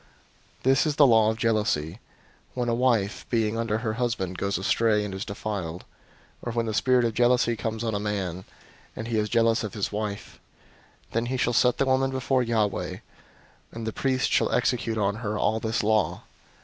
005:029 "This is the law of jealousy, when a wife, being under her husband, goes astray, and is defiled; 005:030 or when the spirit of jealousy comes on a man, and he is jealous of his wife; then he shall set the woman before Yahweh, and the priest shall execute on her all this law.